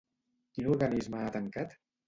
Quin organisme ha tancat?